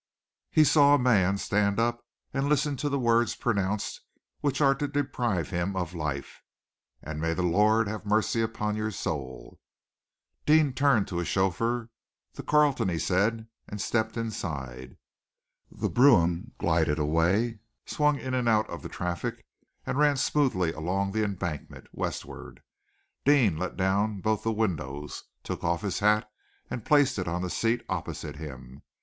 He saw a man stand up and listen to the words pronounced which are to deprive him of life, "And may the Lord have mercy upon your soul!" Deane turned to his chauffeur. "The Carlton!" he said, and stepped inside. The brougham glided away, swung in and out of the traffic, and ran smoothly along the Embankment, westward. Deane let down both the windows, took off his hat and placed it on the seat opposite him.